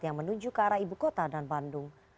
yang menuju ke arah ibu kota dan bandung